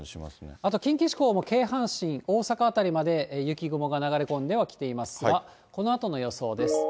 あと近畿地方も、京阪神、大阪辺りまで雪雲が流れ込んではきていますが、このあとの予想です。